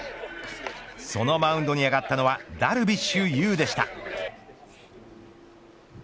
そのマウンドに上がったのはダルビッシュ有でした。